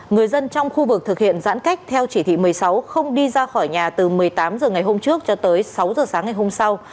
người dân trong khu vực thực hiện giãn cách theo chỉ thị một mươi sáu không đi ra khỏi nhà từ một mươi tám h ngày hôm trước cho tới sáu h sáng ngày hôm sau